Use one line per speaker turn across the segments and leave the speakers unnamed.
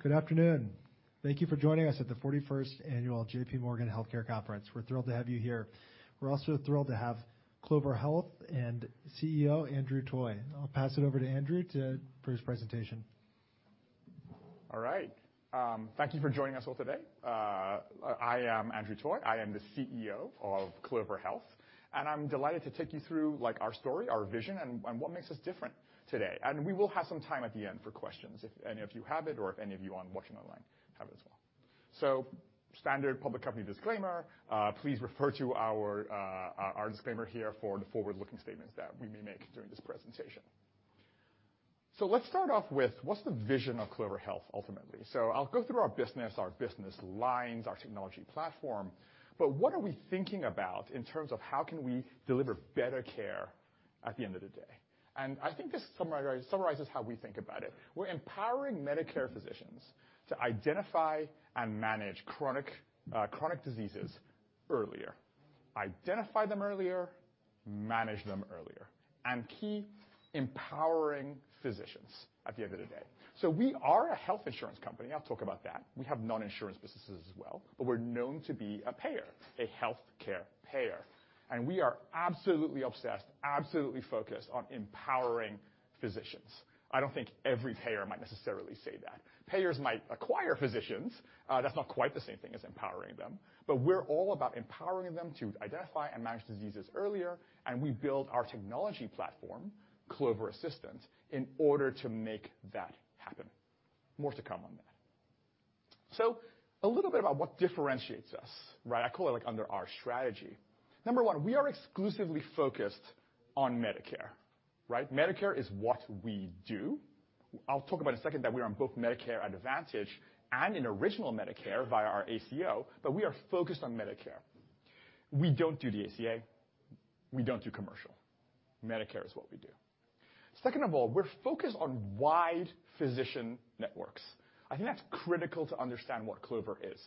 Good afternoon. Thank you for joining us at the 41st Annual JPMorgan Healthcare Conference. We're thrilled to have you here. We're also thrilled to have Clover Health and CEO Andrew Toy. I'll pass it over to Andrew for his presentation.
All right. Thank you for joining us all today. I am Andrew Toy. I am the CEO of Clover Health, and I'm delighted to take you through, like, our story, our vision, and what makes us different today. We will have some time at the end for questions if any of you have it or if any of you are watching online have it as well. Standard public company disclaimer, please refer to our disclaimer here for the forward-looking statements that we may make during this presentation. Let's start off with what's the vision of Clover Health, ultimately? I'll go through our business, our business lines, our technology platform, but what are we thinking about in terms of how can we deliver better care at the end of the day? I think this summarizes how we think about it. We're empowering Medicare physicians to identify and manage chronic diseases earlier, identify them earlier, manage them earlier, and key, empowering physicians at the end of the day. We are a health insurance company. I'll talk about that. We have non-insurance businesses as well, but we're known to be a payer, a healthcare payer. We are absolutely obsessed, absolutely focused on empowering physicians. I don't think every payer might necessarily say that. Payers might acquire physicians, that's not quite the same thing as empowering them. We're all about empowering them to identify and manage diseases earlier, and we build our technology platform, Clover Assistant, in order to make that happen. More to come on that. A little bit about what differentiates us, right? I call it like under our strategy. Number one, we are exclusively focused on Medicare, right? Medicare is what we do. I'll talk about in a second that we are on both Medicare Advantage and in original Medicare via our ACO. We are focused on Medicare. We don't do the ACA, we don't do commercial. Medicare is what we do. Second of all, we're focused on wide physician networks. I think that's critical to understand what Clover is.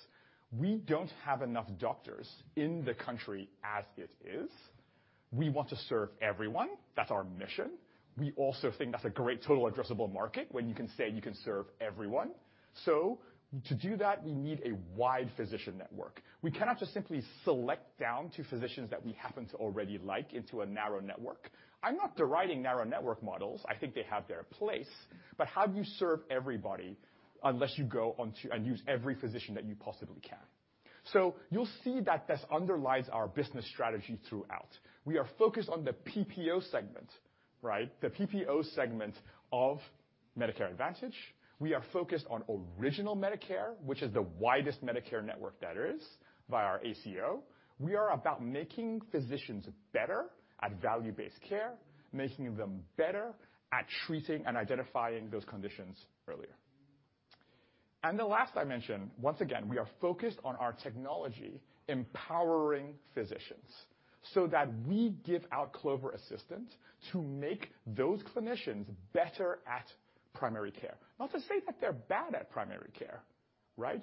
We don't have enough doctors in the country as it is. We want to serve everyone. That's our mission. We also think that's a great total addressable market when you can say you can serve everyone. To do that, we need a wide physician network. We cannot just simply select down to physicians that we happen to already like into a narrow network. I'm not deriding narrow network models. I think they have their place, but how do you serve everybody unless you go onto and use every physician that you possibly can? You'll see that this underlies our business strategy throughout. We are focused on the PPO segment, right? The PPO segment of Medicare Advantage. We are focused on original Medicare, which is the widest Medicare network there is, via our ACO. We are about making physicians better at value-based care, making them better at treating and identifying those conditions earlier. The last I mentioned, once again, we are focused on our technology empowering physicians so that we give out Clover Assistant to make those clinicians better at primary care. Not to say that they're bad at primary care, right?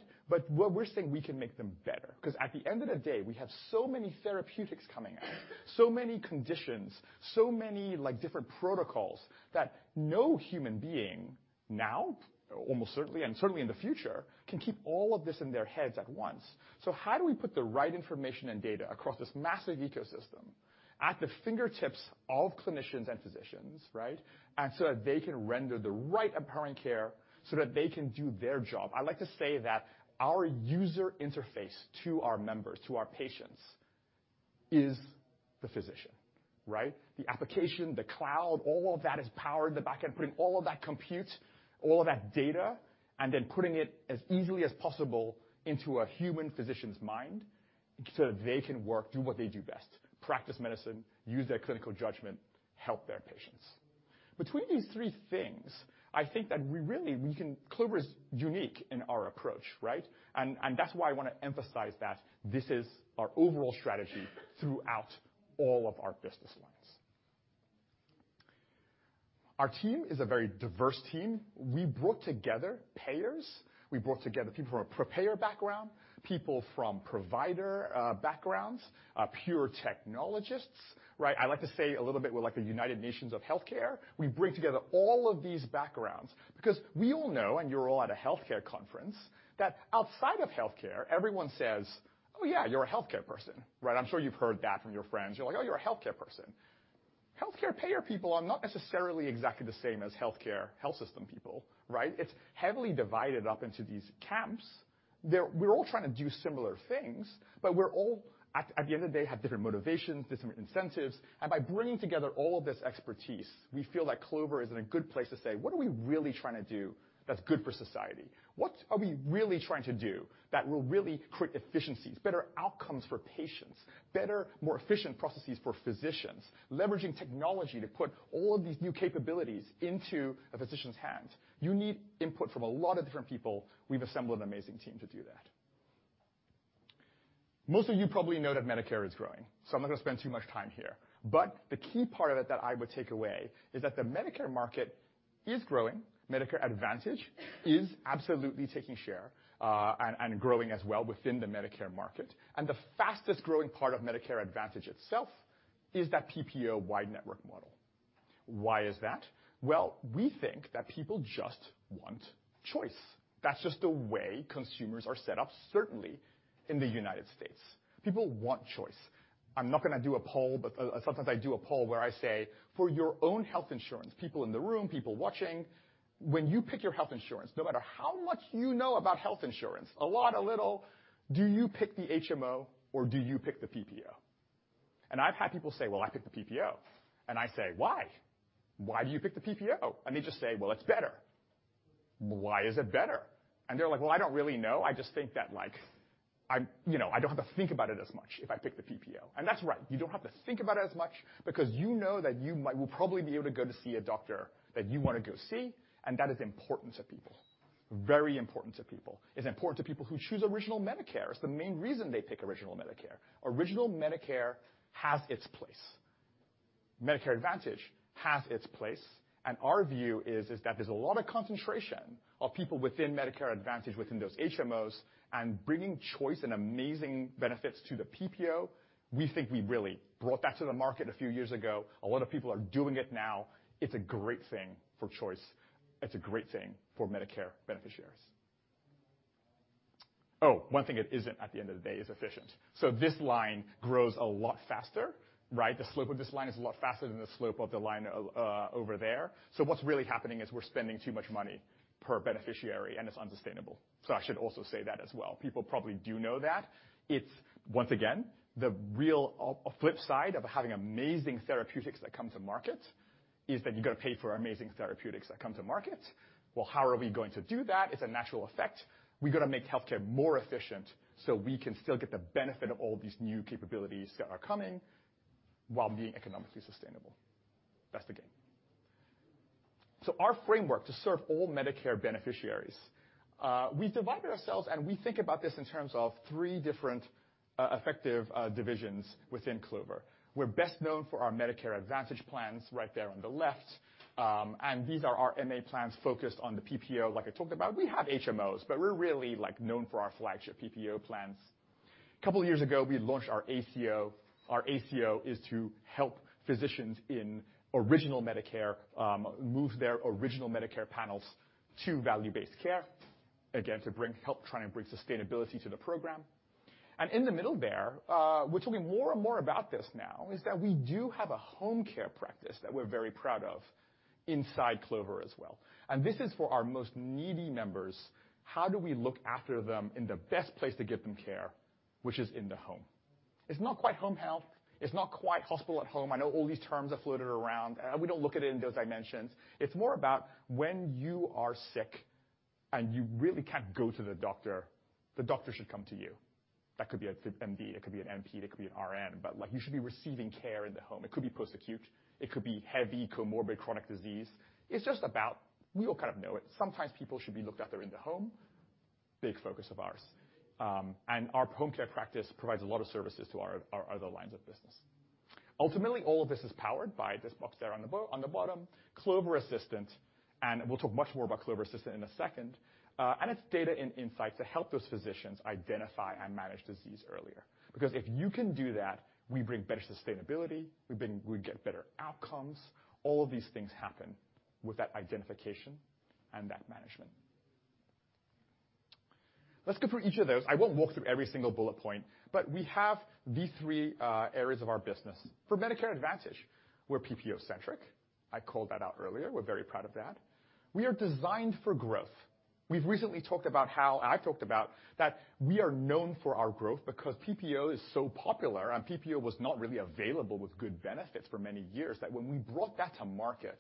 What we're saying, we can make them better, because at the end of the day, we have so many therapeutics coming out, so many conditions, so many, like, different protocols that no human being, now, almost certainly, and certainly in the future, can keep all of this in their heads at once. How do we put the right information and data across this massive ecosystem at the fingertips of clinicians and physicians, right? That they can render the right empowering care so that they can do their job. I like to say that our user interface to our members, to our patients, is the physician, right? The application, the cloud, all of that is powered at the back end, putting all of that compute, all of that data, and then putting it as easily as possible into a human physician's mind so that they can work, do what they do best, practice medicine, use their clinical judgment, help their patients. Between these three things, I think that Clover is unique in our approach, right? That's why I wanna emphasize that this is our overall strategy throughout all of our business lines. Our team is a very diverse team. We brought together payers, we brought together people from a payer background, people from provider backgrounds, pure technologists, right? I like to say a little bit we're like the United Nations of healthcare. We bring together all of these backgrounds because we all know, and you're all at a healthcare conference, that outside of healthcare, everyone says, "Oh, yeah, you're a healthcare person," right? I'm sure you've heard that from your friends. You're like, "Oh, you're a healthcare person." Healthcare payer people are not necessarily exactly the same as healthcare health system people, right? It's heavily divided up into these camps. We're all trying to do similar things, but we're all, at the end of the day, have different motivations, different incentives, and by bringing together all of this expertise, we feel like Clover is in a good place to say, "What are we really trying to do that's good for society? What are we really trying to do that will really create efficiencies, better outcomes for patients, better, more efficient processes for physicians, leveraging technology to put all of these new capabilities into a physician's hands? You need input from a lot of different people. We've assembled an amazing team to do that. Most of you probably know that Medicare is growing, I'm not gonna spend too much time here. The key part of it that I would take away is that the Medicare market is growing. Medicare Advantage is absolutely taking share, and growing as well within the Medicare market. The fastest growing part of Medicare Advantage itself is that PPO-wide network model. Why is that? Well, we think that people just want choice. That's just the way consumers are set up, certainly in the United States. People want choice. I'm not gonna do a poll, sometimes I do a poll where I say, "For your own health insurance," people in the room, people watching, when you pick your health insurance, no matter how much you know about health insurance, a lot, a little, do you pick the HMO or do you pick the PPO? I've had people say, "Well, I pick the PPO." I say, "Why? Why do you pick the PPO?" They just say, "Well, it's better." "Why is it better?" They're like, "Well, I don't really know. I just think that, like, you know, I don't have to think about it as much if I pick the PPO. That's right, you don't have to think about it as much because you know that you will probably be able to go to see a doctor that you wanna go see, and that is important to people, very important to people. It's important to people who choose original Medicare. It's the main reason they pick original Medicare. Original Medicare has its place. Medicare Advantage has its place. Our view is that there's a lot of concentration of people within Medicare Advantage, within those HMOs, and bringing choice and amazing benefits to the PPO, we think we really brought that to the market a few years ago. A lot of people are doing it now. It's a great thing for choice. It's a great thing for Medicare beneficiaries. Oh, one thing it isn't at the end of the day is efficient. This line grows a lot faster, right? The slope of this line is a lot faster than the slope of the line over there. What's really happening is we're spending too much money per beneficiary, and it's unsustainable. I should also say that as well. People probably do know that. It's, once again, the real flip side of having amazing therapeutics that come to market is that you've got to pay for amazing therapeutics that come to market. Well, how are we going to do that? It's a natural effect. We've got to make healthcare more efficient, so we can still get the benefit of all these new capabilities that are coming while being economically sustainable. That's the game. Our framework to serve all Medicare beneficiaries, we divided ourselves, and we think about this in terms of three different effective divisions within Clover. We're best known for our Medicare Advantage plans right there on the left. These are our MA plans focused on the PPO, like I talked about. We have HMOs, but we're really, like, known for our flagship PPO plans. A couple years ago, we launched our ACO. Our ACO is to help physicians in original Medicare move their original Medicare panels to value-based care, again, help try and bring sustainability to the program. In the middle there, which we'll be more and more about this now, is that we do have a home care practice that we're very proud of inside Clover as well. This is for our most needy members. How do we look after them in the best place to give them care, which is in the home? It's not quite home health, it's not quite hospital at home. I know all these terms have floated around, we don't look at it in those dimensions. It's more about when you are sick, you really can't go to the doctor, the doctor should come to you. That could be a fit MD, it could be an NP, it could be an RN, like, you should be receiving care in the home. It could be post-acute, it could be heavy comorbid chronic disease. It's just about, we all kind of know it, sometimes people should be looked after in the home. Big focus of ours. Our home care practice provides a lot of services to our other lines of business. Ultimately, all of this is powered by this box there on the bottom, Clover Assistant. We'll talk much more about Clover Assistant in a second. It's data and insights to help those physicians identify and manage disease earlier. If you can do that, we bring better sustainability, we get better outcomes. All of these things happen with that identification and that management. Let's go through each of those. I won't walk through every single bullet point, we have these three areas of our business. For Medicare Advantage, we're PPO-centric. I called that out earlier. We're very proud of that. We are designed for growth. We've recently talked about how-- I've talked about that we are known for our growth because PPO is so popular, and PPO was not really available with good benefits for many years, that when we brought that to market,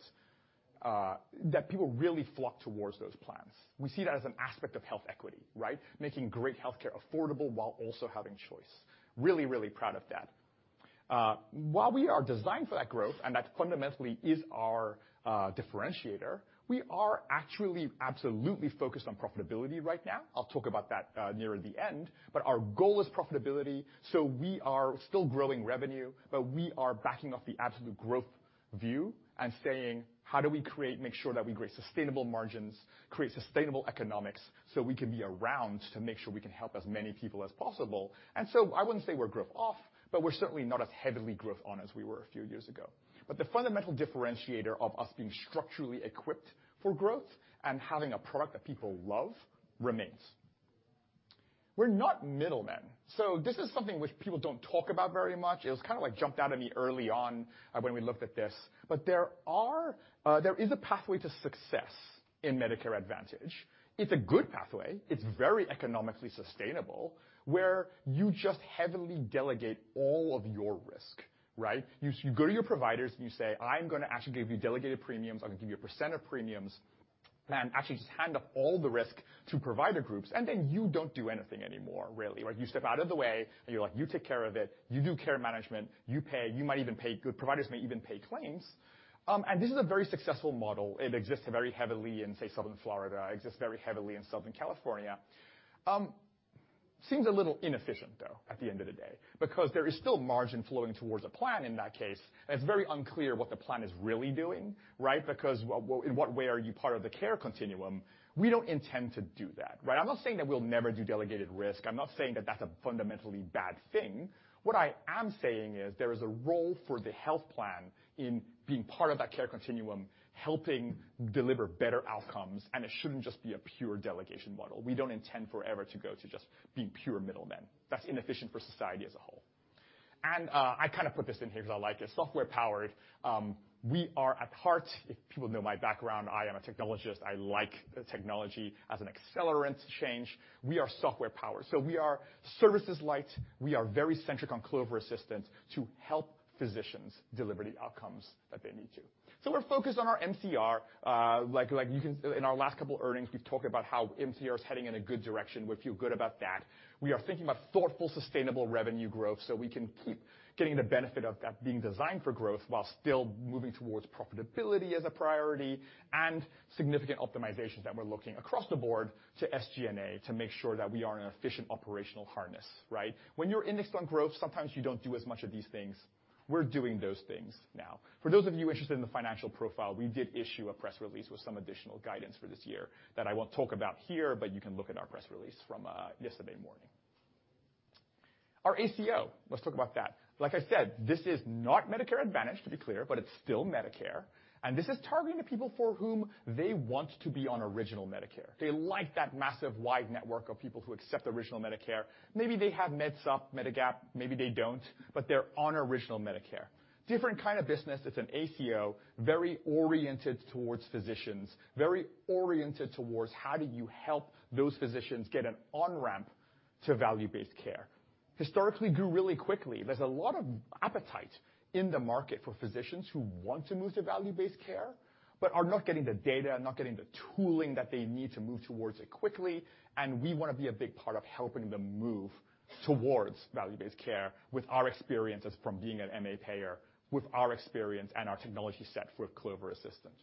that people really flocked towards those plans. We see that as an aspect of health equity, right? Making great healthcare affordable while also having choice. Really, really proud of that. While we are designed for that growth, and that fundamentally is our differentiator, we are actually absolutely focused on profitability right now. I'll talk about that, nearer the end, but our goal is profitability, so we are still growing revenue, but we are backing off the absolute growth view and saying, "How do we create, make sure that we create sustainable margins, create sustainable economics, so we can be around to make sure we can help as many people as possible?" I wouldn't say we're growth off, but we're certainly not as heavily growth on as we were a few years ago. The fundamental differentiator of us being structurally equipped for growth and having a product that people love remains. We're not middlemen. This is something which people don't talk about very much. It was kinda, like, jumped out at me early on, when we looked at this. There are, there is a pathway to success in Medicare Advantage. It's a good pathway, it's very economically sustainable, where you just heavily delegate all of your risk, right? You go to your providers and you say, "I'm gonna actually give you delegated premiums. I'm gonna give you a percent of premiums," and actually just hand off all the risk to provider groups, and then you don't do anything anymore, really. Right? You step out of the way, and you're like, "You take care of it. You do care management, you pay." You might even pay. Good providers may even pay claims. This is a very successful model. It exists very heavily in, say, Southern Florida. It exists very heavily in Southern California. Seems a little inefficient, though, at the end of the day, because there is still margin flowing towards a plan in that case. It's very unclear what the plan is really doing, right? In what way are you part of the care continuum? We don't intend to do that, right? I'm not saying that we'll never do delegated risk. I'm not saying that that's a fundamentally bad thing. What I am saying is there is a role for the health plan in being part of that care continuum, helping deliver better outcomes, and it shouldn't just be a pure delegation model. We don't intend forever to go to just being pure middlemen. That's inefficient for society as a whole. I kind of put this in here 'cause I like it. Software-powered. We are at heart-- If people know my background, I am a technologist. I like technology as an accelerant to change. We are software-powered. We are services light. We are very centric on Clover Assistant to help physicians deliver the outcomes that they need to. We're focused on our MCR, like you can in our last couple earnings, we've talked about how MCR is heading in a good direction. We feel good about that. We are thinking about thoughtful, sustainable revenue growth, so we can keep getting the benefit of that being designed for growth while still moving towards profitability as a priority and significant optimizations that we're looking across the board to SG&A to make sure that we are in an efficient operational harness, right? When you're indexed on growth, sometimes you don't do as much of these things. We're doing those things now. For those of you interested in the financial profile, we did issue a press release with some additional guidance for this year that I won't talk about here, but you can look at our press release from yesterday morning. Our ACO, let's talk about that. Like I said, this is not Medicare Advantage, to be clear, but it's still Medicare, and this is targeting the people for whom they want to be on original Medicare. They like that massive wide network of people who accept original Medicare. Maybe they have MedSup, Medigap, maybe they don't, but they're on original Medicare. Different kind of business. It's an ACO, very oriented towards physicians, very oriented towards how do you help those physicians get an on-ramp to value-based care. Historically grew really quickly. There's a lot of appetite in the market for physicians who want to move to value-based care but are not getting the data, not getting the tooling that they need to move towards it quickly, and we wanna be a big part of helping them move towards value-based care with our experiences from being an MA payer, with our experience and our technology set for Clover Assistant.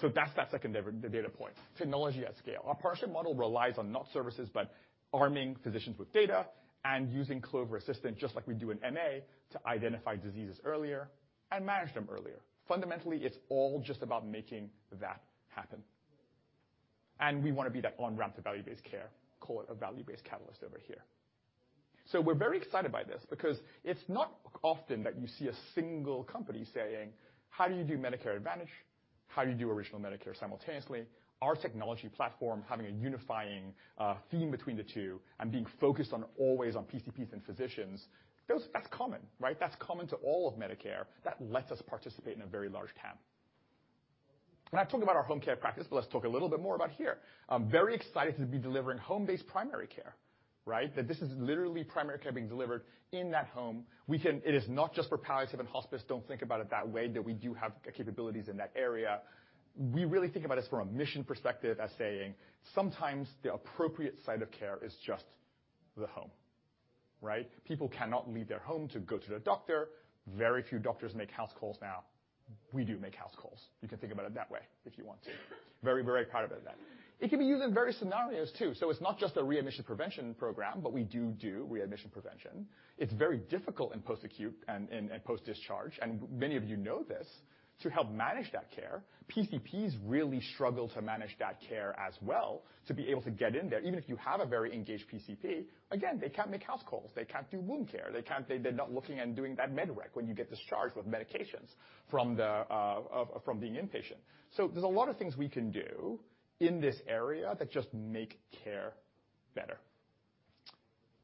That's that second data point. Technology at scale. Our partnership model relies on not services, but arming physicians with data and using Clover Assistant just like we do in MA to identify diseases earlier and manage them earlier. Fundamentally, it's all just about making that happen. We wanna be that on-ramp to value-based care. Call it a value-based catalyst over here. We're very excited by this because it's not often that you see a single company saying, "How do you do Medicare Advantage? How do you do Original Medicare simultaneously?" Our technology platform, having a unifying theme between the two and being focused on always on PCPs and physicians. That's common, right? That's common to all of Medicare. That lets us participate in a very large TAM. I've talked about our home care practice, but let's talk a little bit more about here. I'm very excited to be delivering home-based primary care, right? This is literally primary care being delivered in that home. It is not just for palliative and hospice. Don't think about it that way, that we do have capabilities in that area. We really think about this from a mission perspective as saying, sometimes the appropriate site of care is just the home, right? People cannot leave their home to go to their doctor. Very few doctors make house calls now. We do make house calls. You can think about it that way if you want to. Very, very proud about that. It's not just a readmission prevention program, but we do do readmission prevention. It's very difficult in post-acute and post-discharge, and many of you know this, to help manage that care. PCPs really struggle to manage that care as well to be able to get in there. Even if you have a very engaged PCP, again, they can't make house calls. They can't do wound care. They can't-- They're not looking and doing that MedRec when you get discharged with medications from the from being inpatient. There's a lot of things we can do in this area that just make care better.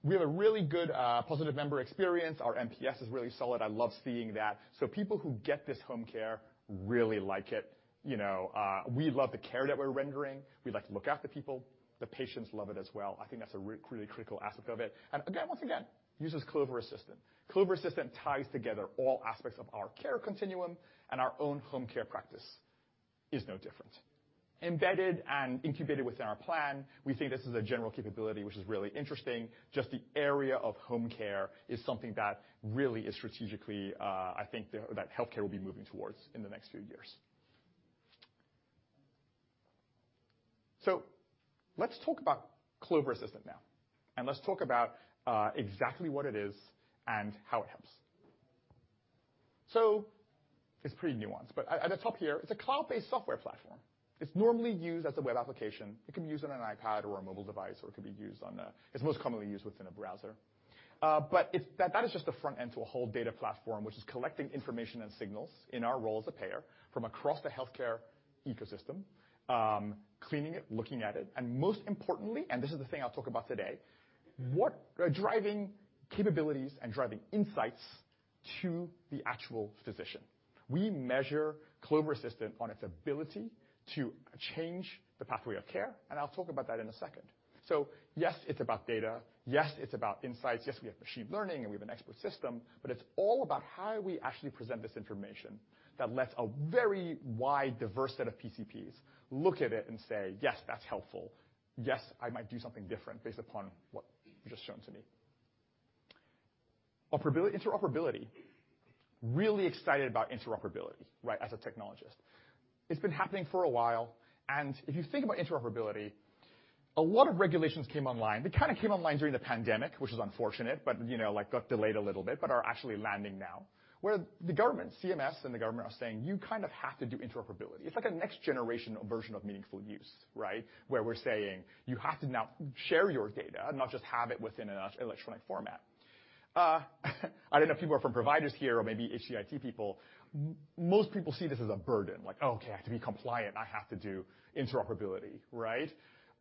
We have a really good positive member experience. Our NPS is really solid. I love seeing that. People who get this home care really like it. You know, we love the care that we're rendering. We like to look after people. The patients love it as well. I think that's a really critical aspect of it. Again, once again, uses Clover Assistant. Clover Assistant ties together all aspects of our care continuum, and our own home care practice is no different. Embedded and incubated within our plan, we see this as a general capability, which is really interesting. Just the area of home care is something that really is strategically, I think that healthcare will be moving towards in the next few years. Let's talk about Clover Assistant now. Let's talk about exactly what it is and how it helps. It's pretty nuanced, but at the top here, it's a cloud-based software platform. It's normally used as a web application. It can be used on an iPad or a mobile device. It's most commonly used within a browser. It's-- That is just the front end to a whole data platform, which is collecting information and signals in our role as a payer from across the healthcare ecosystem, cleaning it, looking at it, and most importantly, and this is the thing I'll talk about today, what are driving capabilities and driving insights to the actual physician? We measure Clover Assistant on its ability to change the pathway of care, and I'll talk about that in a second. Yes, it's about data. Yes, it's about insights. Yes, we have machine learning, and we have an expert system. It's all about how we actually present this information that lets a very wide diverse set of PCPs look at it and say, "Yes, that's helpful. Yes, I might do something different based upon what you've just shown to me." Interoperability. Really excited about interoperability, right, as a technologist. It's been happening for a while. If you think about interoperability, a lot of regulations came online. They kind of came online during the pandemic, which is unfortunate, but, you know, like got delayed a little bit, but are actually landing now, where the government, CMS and the government are saying, "You kind of have to do interoperability." It's like a next-generational version of Meaningful Use, right? Where we're saying, "You have to now share your data, not just have it within an electronic format." I don't know if people are from providers here or maybe HCIT people. Most people see this as a burden. Like, "Oh, okay, I have to be compliant, I have to do interoperability." Right?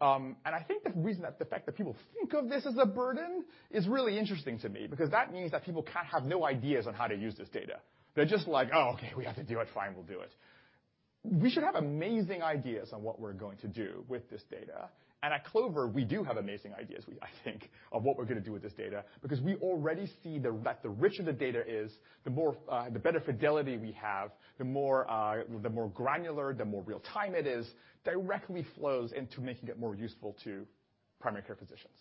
I think the reason that the fact that people think of this as a burden is really interesting to me because that means that people kind of have no ideas on how to use this data. They're just like, "Oh, okay, we have to do it. Fine, we'll do it." We should have amazing ideas on what we're going to do with this data. At Clover, we do have amazing ideas, I think, of what we're gonna do with this data, because we already see that the richer the data is, the more the better fidelity we have, the more the more granular, the more real-time it is, directly flows into making it more useful to primary care physicians.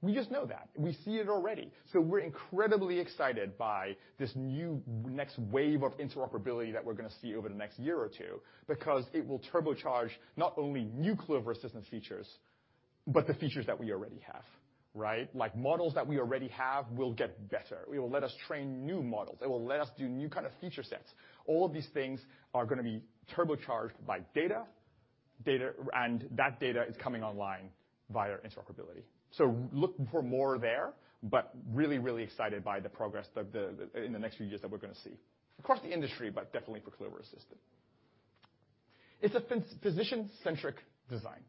We just know that. We see it already. We're incredibly excited by this new next wave of interoperability that we're gonna see over the next year or two, because it will turbocharge not only new Clover Assistant features, but the features that we already have, right? Like, models that we already have will get better. It will let us train new models. It will let us do new kind of feature sets. All of these things are gonna be turbocharged by data, and that data is coming online via interoperability. Look for more there, but really excited by the progress in the next few years that we're gonna see. Across the industry, but definitely for Clover Assistant. It's a physician-centric design.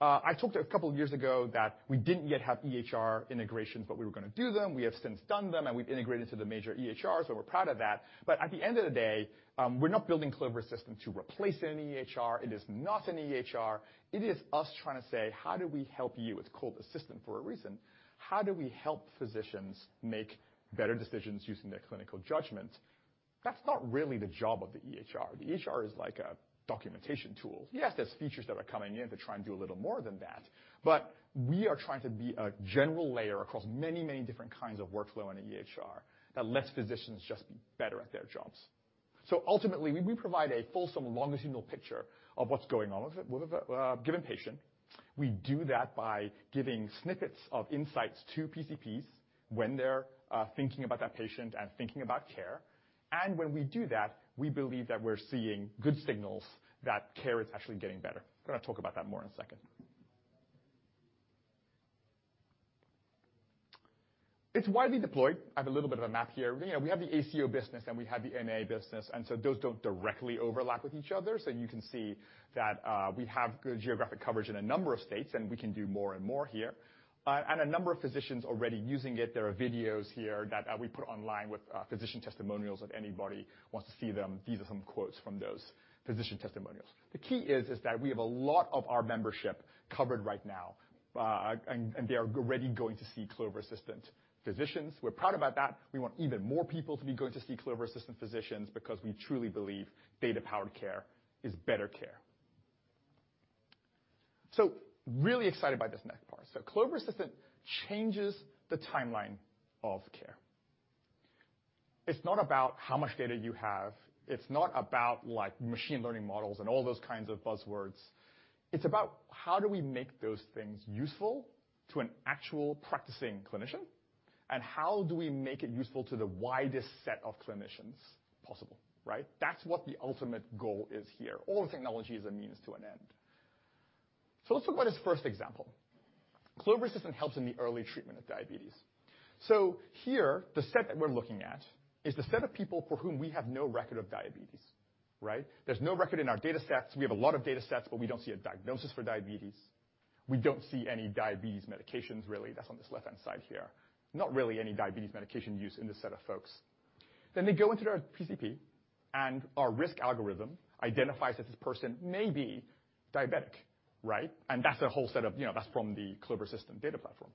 I talked a couple of years ago that we didn't yet have EHR integrations, but we were gonna do them. We have since done them. We've integrated to the major EHRs. We're proud of that. At the end of the day, we're not building Clover Assistant to replace an EHR. It is not an EHR. It is us trying to say, "How do we help you?" It's called Assistant for a reason. How do we help physicians make better decisions using their clinical judgment? That's not really the job of the EHR. The EHR is like a documentation tool. Yes, there's features that are coming in to try and do a little more than that. We are trying to be a general layer across many, many different kinds of workflow in an EHR that lets physicians just be better at their jobs. Ultimately, we provide a fulsome longitudinal picture of what's going on with a given patient. We do that by giving snippets of insights to PCPs when they're thinking about that patient and thinking about care. And when we do that, we believe that we're seeing good signals that care is actually getting better. Gonna talk about that more in a second. It's widely deployed. I have a little bit of a map here. You know, we have the ACO business, and we have the MA business, and so those don't directly overlap with each other. You can see that we have good geographic coverage in a number of states, and we can do more and more here. A number of physicians already using it. There are videos here that we put online with physician testimonials if anybody wants to see them. These are some quotes from those physician testimonials. The key is that we have a lot of our membership covered right now, and they are already going to see Clover Assistant physicians. We're proud about that. We want even more people to be going to see Clover Assistant physicians because we truly believe data-powered care is better care. Really excited by this next part. Clover Assistant changes the timeline of care. It's not about how much data you have. It's not about like machine learning models and all those kinds of buzzwords. It's about how do we make those things useful to an actual practicing clinician, and how do we make it useful to the widest set of clinicians possible, right? That's what the ultimate goal is here. All technology is a means to an end. Let's talk about this first example. Clover Assistant helps in the early treatment of diabetes. Here, the set that we're looking at is the set of people for whom we have no record of diabetes, right? There's no record in our datasets. We have a lot of datasets, but we don't see a diagnosis for diabetes. We don't see any diabetes medications, really. That's on this left-hand side here. Not really any diabetes medication use in this set of folks. They go into their PCP, and our risk algorithm identifies that this person may be diabetic, right? That's a whole set of, you know, that's from the Clover System data platform.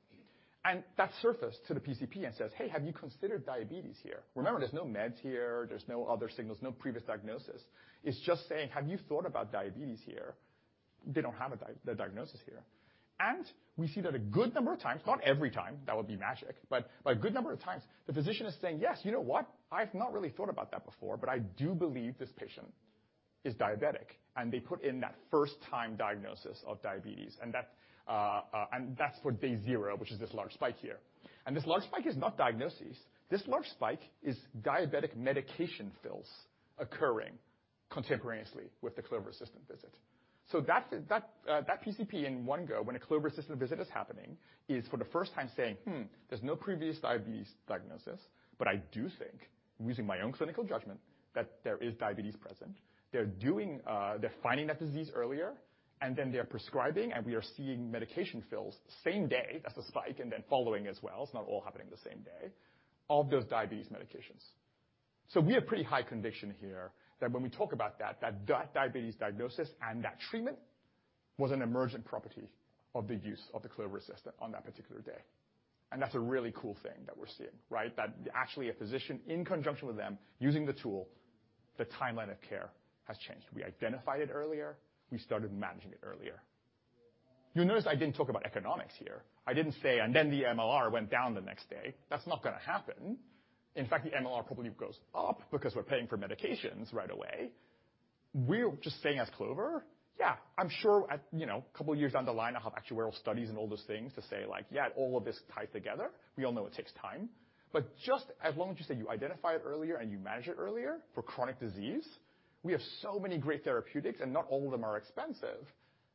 That's surfaced to the PCP and says, "Hey, have you considered diabetes here?" Remember, there's no meds here, there's no other signals, no previous diagnosis. It's just saying, "Have you thought about diabetes here?" They don't have a diagnosis here. We see that a good number of times, not every time, that would be magic, but a good number of times, the physician is saying, "Yes, you know what? I've not really thought about that before, but I do believe this patient is diabetic." They put in that first-time diagnosis of diabetes, and that, and that's for day zero, which is this large spike here. This large spike is not diagnoses. This large spike is diabetic medication fills occurring contemporaneously with the Clover Assistant visit. That PCP in one go, when a Clover Assistant visit is happening, is for the first time saying, "Hmm, there's no previous diabetes diagnosis, but I do think, using my own clinical judgment, that there is diabetes present." They're doing, they're finding that disease earlier, and then they're prescribing, and we are seeing medication fills same day, that's a spike, and then following as well, it's not all happening the same day, of those diabetes medications. We have pretty high conviction here that when we talk about that diabetes diagnosis and that treatment was an emergent property of the use of the Clover Assistant on that particular day. That's a really cool thing that we're seeing, right? That actually a physician, in conjunction with them, using the tool, the timeline of care has changed. We identified it earlier. We started managing it earlier. You'll notice I didn't talk about economics here. I didn't say, "And then the MLR went down the next day." That's not gonna happen. In fact, the MLR probably goes up because we're paying for medications right away. We're just saying as Clover, yeah, I'm sure at, you know, a couple years down the line, I'll have actuarial studies and all those things to say, like, "Yeah, all of this tied together." We all know it takes time. Just as long as you say you identify it earlier and you manage it earlier for chronic disease, we have so many great therapeutics, and not all of them are expensive,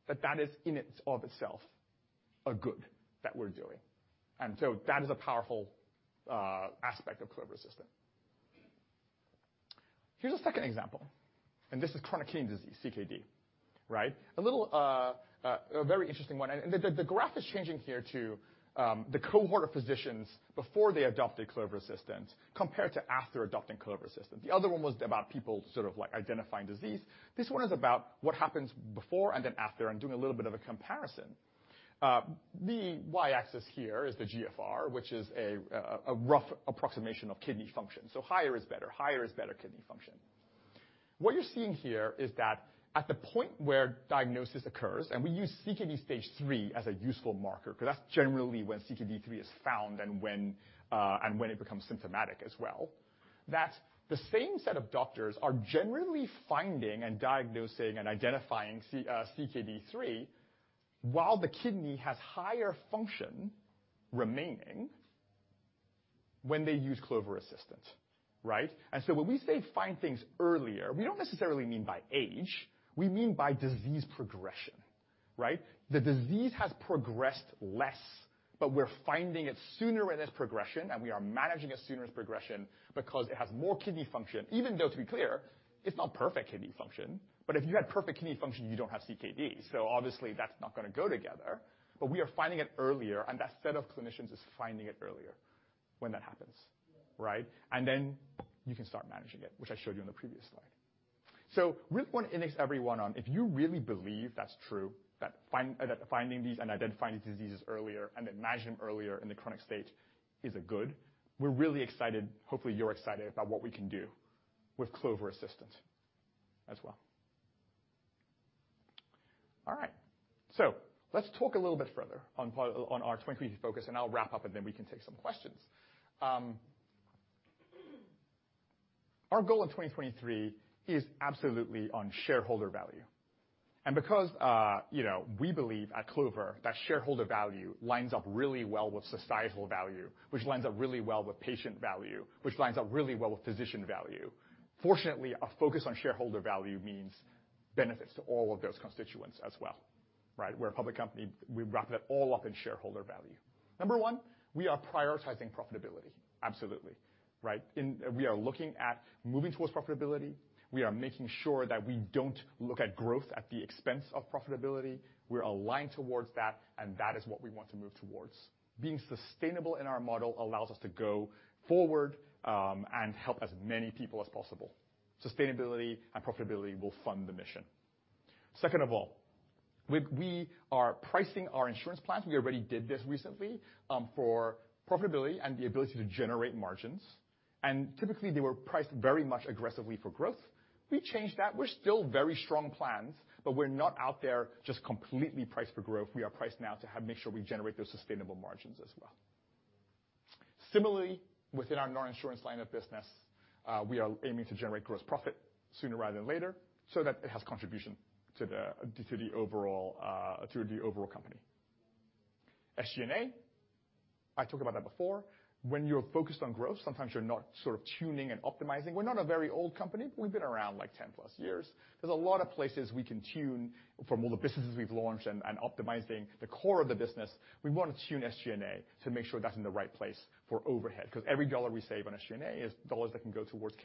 that that is in its of itself a good that we're doing. That is a powerful aspect of Clover Assistant. Here's a second example, and this is chronic kidney disease, CKD. Right? A little, a very interesting one. The, the graph is changing here to the cohort of physicians before they adopted Clover Assistant compared to after adopting Clover Assistant. The other one was about people sort of like identifying disease. This one is about what happens before and then after and doing a little bit of a comparison. The Y-axis here is the GFR, which is a rough approximation of kidney function. Higher is better. Higher is better kidney function. What you're seeing here is that at the point where diagnosis occurs, and we use CKD Stage 3 as a useful marker, 'cause that's generally when CKD 3 is found and when it becomes symptomatic as well. That the same set of doctors are generally finding and diagnosing and identifying CKD 3, while the kidney has higher function remaining when they use Clover Assistant, right? When we say find things earlier, we don't necessarily mean by age. We mean by disease progression, right? The disease has progressed less, but we're finding it sooner in its progression, and we are managing it sooner as progression because it has more kidney function. Even though, to be clear, it's not perfect kidney function, but if you had perfect kidney function, you don't have CKD. Obviously that's not gonna go together. But we are finding it earlier, and that set of clinicians is finding it earlier when that happens, right? You can start managing it, which I showed you in the previous slide. We want to index everyone on if you really believe that's true, that finding these and identifying these diseases earlier and then managing them earlier in the chronic stage is a good, we're really excited, hopefully you're excited about what we can do with Clover Assistant as well. All right. Let's talk a little bit further on our 2023 focus, and I'll wrap up, and then we can take some questions. Our goal in 2023 is absolutely on shareholder value. Because, you know, we believe at Clover Health that shareholder value lines up really well with societal value, which lines up really well with patient value, which lines up really well with physician value. Fortunately, our focus on shareholder value means benefits to all of those constituents as well, right? We're a public company. We wrap that all up in shareholder value. Number one, we are prioritizing profitability. Absolutely, right? We are looking at moving towards profitability. We are making sure that we don't look at growth at the expense of profitability. We're aligned towards that, and that is what we want to move towards. Being sustainable in our model allows us to go forward and help as many people as possible. Sustainability and profitability will fund the mission. Second of all, we are pricing our insurance plans. We already did this recently for profitability and the ability to generate margins. Typically, they were priced very much aggressively for growth. We changed that. We're still very strong plans, but we're not out there just completely priced for growth. We are priced now to make sure we generate those sustainable margins as well. Similarly, within our non-insurance line of business, we are aiming to generate gross profit sooner rather than later so that it has contribution to the overall company. SG&A, I talked about that before. When you're focused on growth, sometimes you're not sort of tuning and optimizing. We're not a very old company. We've been around like 10+ years. There's a lot of places we can tune from all the businesses we've launched and optimizing the core of the business. We wanna tune SG&A to make sure that's in the right place for overhead 'cause every dollar we save on SG&A is dollars that can go towards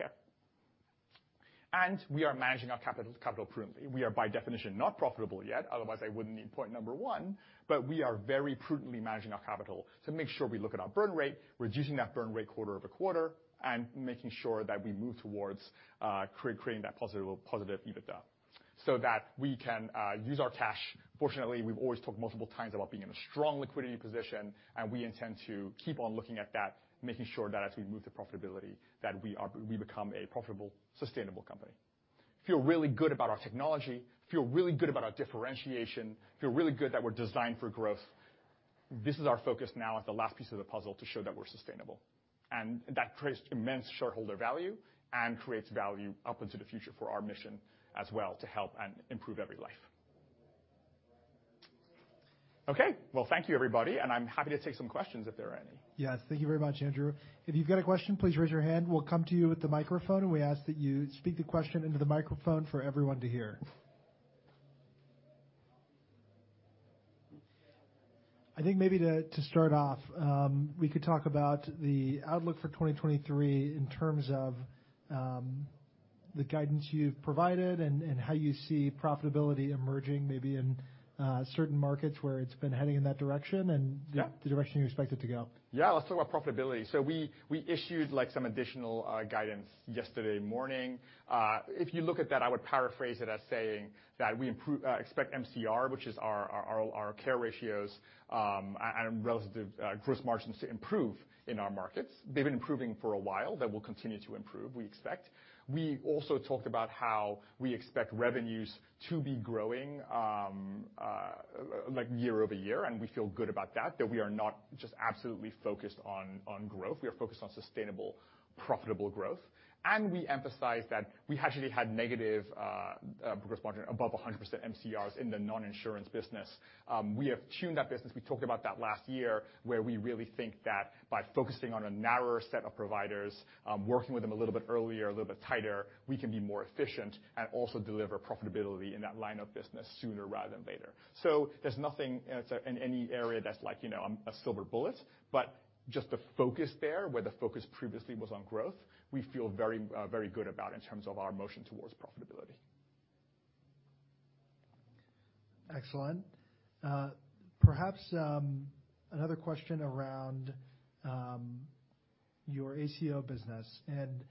care. We are managing our capital prudently. We are by definition not profitable yet, otherwise I wouldn't need point number one, but we are very prudently managing our capital to make sure we look at our burn rate, reducing that burn rate quarter-over-quarter, and making sure that we move towards creating that positive EBITDA so that we can use our cash. Fortunately, we've always talked multiple times about being in a strong liquidity position, and we intend to keep on looking at that, making sure that as we move to profitability, that we become a profitable, sustainable company. Feel really good about our technology, feel really good about our differentiation, feel really good that we're designed for growth. This is our focus now as the last piece of the puzzle to show that we're sustainable. That creates immense shareholder value and creates value up into the future for our mission as well to help and improve every life. Well, thank you, everybody. I'm happy to take some questions if there are any.
Yes. Thank you very much, Andrew. If you've got a question, please raise your hand. We'll come to you with the microphone, and we ask that you speak the question into the microphone for everyone to hear. I think maybe to start off, we could talk about the outlook for 2023 in terms of the guidance you've provided and how you see profitability emerging maybe in certain markets where it's been heading in that direction. The direction you expect it to go.
Yeah. Let's talk about profitability. We issued like, some additional guidance yesterday morning. If you look at that, I would paraphrase it as saying that we expect MCR, which is our care ratios, and relative gross margins to improve in our markets. They've been improving for a while. They will continue to improve, we expect. We also talked about how we expect revenues to be growing like year-over-year, and we feel good about that we are not just absolutely focused on growth. We are focused on sustainable-profitable growth. We emphasize that we actually had negative gross margin above 100% MCRs in the non-insurance business. We have tuned that business. We talked about that last year, where we really think that by focusing on a narrower set of providers, working with them a little bit earlier, a little bit tighter, we can be more efficient and also deliver profitability in that line of business sooner rather than later. There's nothing as in any area that's like, you know, a silver bullet, but just the focus there, where the focus previously was on growth, we feel very good about in terms of our motion towards profitability.
Excellent. perhaps, another question around, your ACO business and,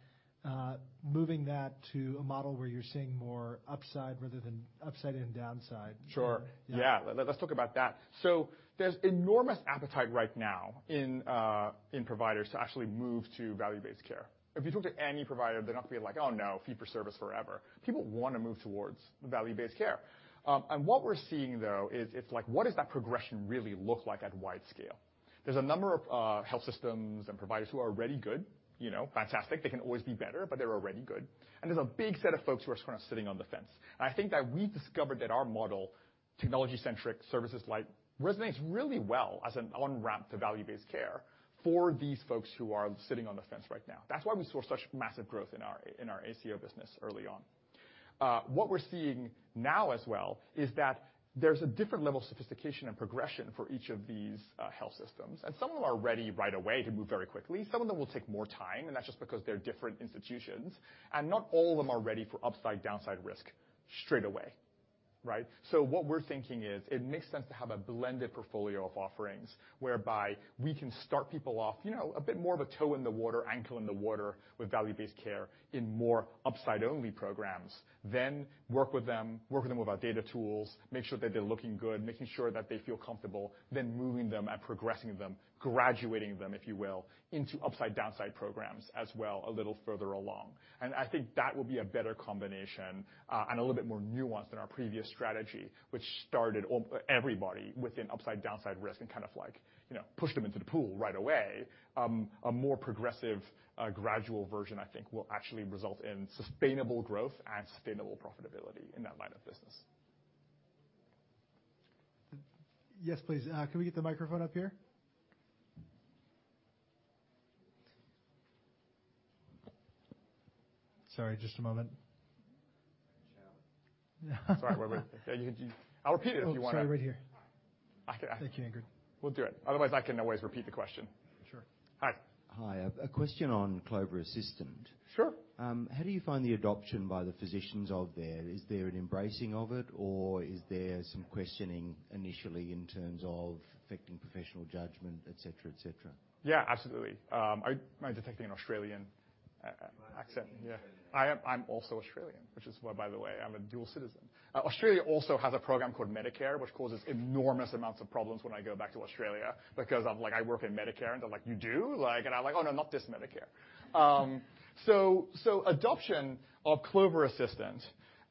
moving that to a model where you're seeing more upside rather than upside and downside.
Sure.
Yeah.
Yeah. Let's talk about that. There's enormous appetite right now in providers to actually move to value-based care. If you talk to any provider, they're not gonna be like, "Oh, no, fee for service forever." People wanna move towards value-based care. What we're seeing though is it's like, what does that progression really look like at wide scale? There's a number of health systems and providers who are already good, you know, fantastic. They can always be better, they're already good. There's a big set of folks who are kinda sitting on the fence. I think that we discovered that our model, technology-centric services, like, resonates really well as an on-ramp to value-based care for these folks who are sitting on the fence right now. That's why we saw such massive growth in our ACO business early on. What we're seeing now as well is that there's a different level of sophistication and progression for each of these health systems, and some of them are ready right away to move very quickly. Some of them will take more time, and that's just because they're different institutions, and not all of them are ready for upside/downside risk straight away, right? What we're thinking is it makes sense to have a blended portfolio of offerings whereby we can start people off, you know, a bit more of a toe in the water, ankle in the water with value-based care in more upside-only programs, then work with them, work with them with our data tools, make sure that they're looking good, making sure that they feel comfortable, then moving them and progressing them, graduating them, if you will, into upside-downside programs as well a little further along. I think that will be a better combination and a little bit more nuanced than our previous strategy, which started everybody with an upside-downside risk and kind of like, you know, pushed them into the pool right away. A more progressive, gradual version, I think, will actually result in sustainable growth and sustainable profitability in that line of business.
Yes, please. Can we get the microphone up here? Sorry, just a moment.
Sorry. Wait. Yeah, I'll repeat it if you wanna.
Oh, sorry. Right here.
We'll do it. Otherwise, I can always repeat the question.
Sure.
Hi.
Hi. A question on Clover Assistant.
Sure.
How do you find the adoption by the physicians of there? Is there an embracing of it, or is there some questioning initially in terms of affecting professional judgment, et cetera, et cetera?
Yeah, absolutely. Am I detecting an Australian accent? Yeah. I'm also Australian, which is why, by the way, I'm a dual citizen. Australia also has a program called Medicare, which causes enormous amounts of problems when I go back to Australia because I'm like, "I work in Medicare." They're like, "You do?" I'm like, "Oh, no, not this Medicare." Adoption of Clover Assistant.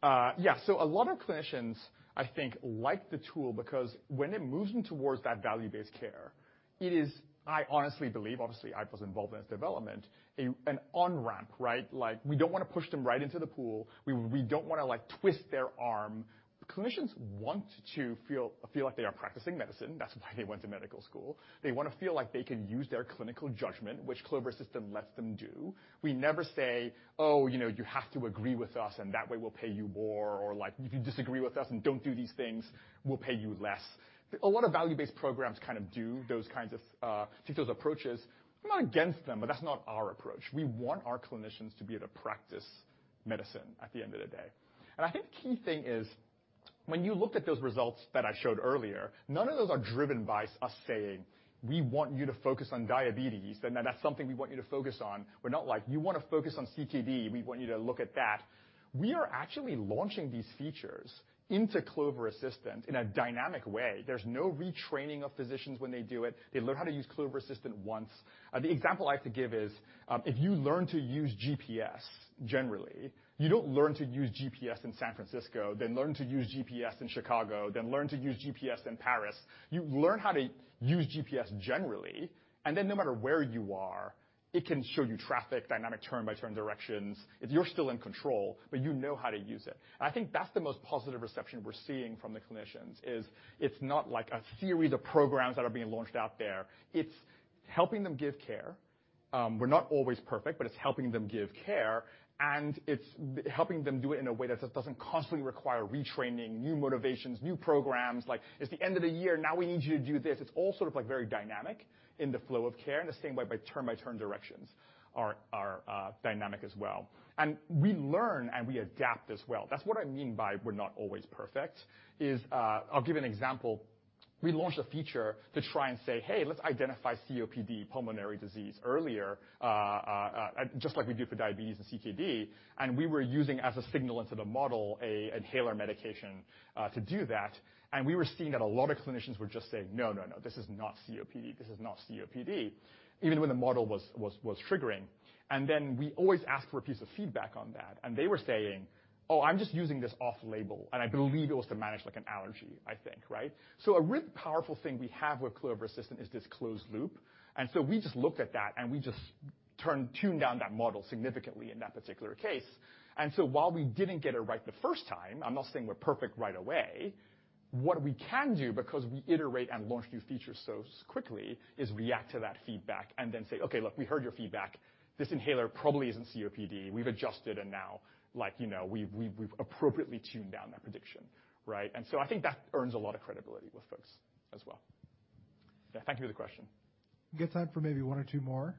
Yeah, a lot of clinicians, I think, like the tool because when it moves them towards that value-based care, it is, I honestly believe, obviously, I was involved in its development, an on-ramp, right? We don't wanna push them right into the pool. We don't wanna twist their arm. Clinicians want to feel like they are practicing medicine. That's why they went to medical school. They wanna feel like they can use their clinical judgment, which Clover Assistant lets them do. We never say, "Oh, you know, you have to agree with us, and that way we'll pay you more." Like, "If you disagree with us and don't do these things, we'll pay you less." A lot of value-based programs kind of do those kinds of take those approaches. I'm not against them, that's not our approach. We want our clinicians to be able to practice medicine at the end of the day. I think the key thing is when you looked at those results that I showed earlier, none of those are driven by us saying, "We want you to focus on diabetes," and that's something we want you to focus on. We're not like, "You wanna focus on CKD. We want you to look at that." We are actually launching these features into Clover Assistant in a dynamic way. There's no retraining of physicians when they do it. They learn how to use Clover Assistant once. The example I like to give is, if you learn to use GPS, generally, you don't learn to use GPS in San Francisco, then learn to use GPS in Chicago, then learn to use GPS in Paris. You learn how to use GPS generally, then no matter where you are, it can show you traffic, dynamic turn-by-turn directions. If you're still in control, but you know how to use it. I think that's the most positive reception we're seeing from the clinicians, is it's not like a series of programs that are being launched out there. It's helping them give care. We're not always perfect, but it's helping them give care, and it's helping them do it in a way that just doesn't constantly require retraining, new motivations, new programs, like, "It's the end of the year. Now we need you to do this." It's all sort of, like, very dynamic in the flow of care in the same way by turn-by-turn directions are dynamic as well. We learn and we adapt as well. That's what I mean by we're not always perfect is. I'll give an example. We launched a feature to try and say, "Hey, let's identify COPD pulmonary disease earlier, just like we do for diabetes and CKD." We were using as a signal into the model a inhaler medication to do that. We were seeing that a lot of clinicians would just say, "No, no, this is not COPD. This is not COPD." Even when the model was triggering. We always ask for a piece of feedback on that. They were saying, "Oh, I'm just using this off-label," and I believe it was to manage like an allergy, I think, right? A really powerful thing we have with Clover Assistant is this closed loop. We just looked at that, and we just tune down that model significantly in that particular case. While we didn't get it right the first time, I'm not saying we're perfect right away. What we can do, because we iterate and launch new features so quickly, is react to that feedback and then say, "Okay, look, we heard your feedback. This inhaler probably isn't COPD. We've adjusted and now, like, you know, we've appropriately tuned down that prediction. Right? I think that earns a lot of credibility with folks as well. Yeah, thank you for the question.
We got time for maybe one or two more.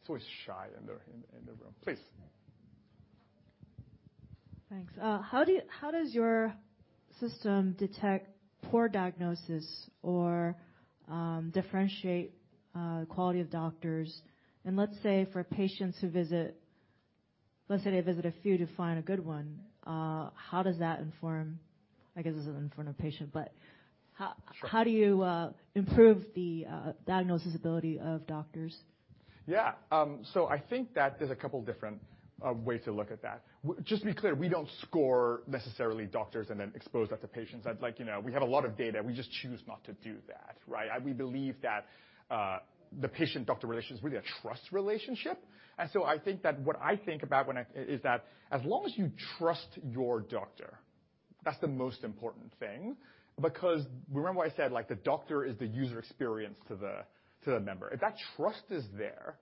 It's always shy in the room. Please.
Thanks. How does your system detect poor diagnosis or, differentiate, quality of doctors? Let's say for patients who visit, let's say they visit a few to find a good one, how does that inform, I guess isn't inform the patient, but.
Sure.
How do you improve the diagnosis ability of doctors?
Yeah. I think that there's a couple different ways to look at that. Just to be clear, we don't score necessarily doctors and then expose that to patients. I'd like you to know we have a lot of data. We just choose not to do that, right? We believe that the patient-doctor relationship is really a trust relationship. I think that what I think about when is that as long as you trust your doctor, that's the most important thing. Remember what I said, like the doctor is the user experience to the, to the member. If that trust is there,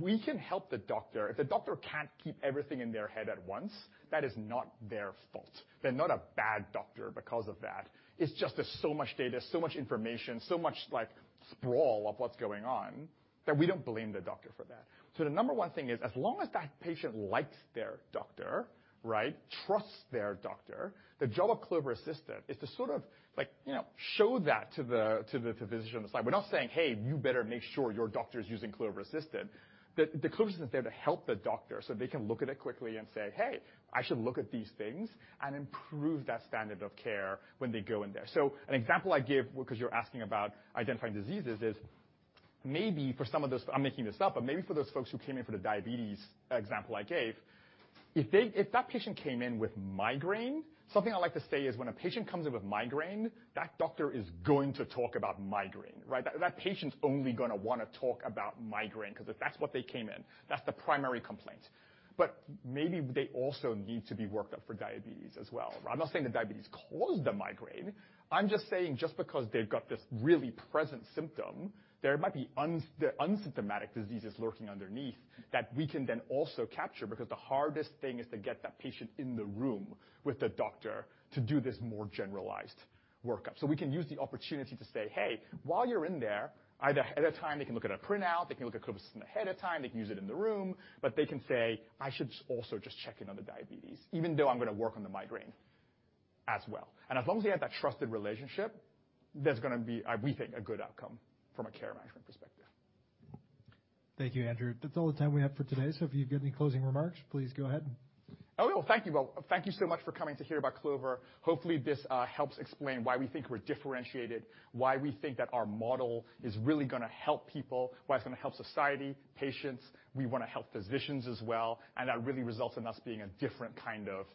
we can help the doctor. If the doctor can't keep everything in their head at once, that is not their fault. They're not a bad doctor because of that. It's just there's so much data, so much information, so much like sprawl of what's going on, that we don't blame the doctor for that. The number one thing is, as long as that patient likes their doctor, right, trusts their doctor, the job of Clover Assistant is to sort of like, you know, show that to the physician on the side. We're not saying, "Hey, you better make sure your doctor's using Clover Assistant." The Clover Assistant's there to help the doctor so they can look at it quickly and say, "Hey, I should look at these things," and improve that standard of care when they go in there. An example I give, because you're asking about identifying diseases is, maybe for some of those-- I'm making this up, but maybe for those folks who came in for the diabetes example I gave, if that patient came in with migraine, something I like to say is when a patient comes in with migraine, that doctor is going to talk about migraine, right? That patient's only gonna wanna talk about migraine, 'cause if that's what they came in, that's the primary complaint. Maybe they also need to be worked up for diabetes as well. I'm not saying the diabetes caused the migraine. I'm just saying just because they've got this really present symptom, there might be the unsymptomatic diseases lurking underneath that we can then also capture, because the hardest thing is to get that patient in the room with the doctor to do this more generalized workup. We can use the opportunity to say, "Hey, while you're in there," either ahead of time, they can look at a printout, they can look at Clover Assistant ahead of time, they can use it in the room, but they can say, "I should also just check in on the diabetes, even though I'm gonna work on the migraine as well." As long as they have that trusted relationship, there's gonna be, we think, a good outcome from a care management perspective.
Thank you, Andrew. That's all the time we have for today. If you've got any closing remarks, please go ahead.
Oh, thank you. Well, thank you so much for coming to hear about Clover. Hopefully, this helps explain why we think we're differentiated, why we think that our model is really gonna help people, why it's gonna help society, patients. We wanna help physicians as well. That really results in us being a different kind of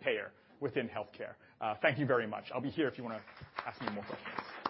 payer within healthcare. Thank you very much. I'll be here if you wanna ask me more questions.